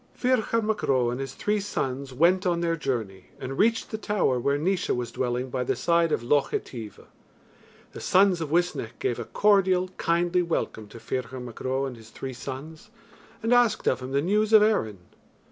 Ferchar Mac Ro and his three sons went on their journey, and reached the tower where Naois was dwelling by the side of Loch Etive. The sons of Uisnech gave a cordial kindly welcome to Ferchar Mac Ro and his three sons, and asked of him the news of Erin.